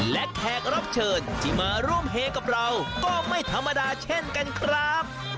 และแขกรับเชิญที่มาร่วมเฮกับเราก็ไม่ธรรมดาเช่นกันครับ